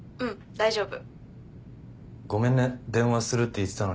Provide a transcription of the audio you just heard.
大丈夫。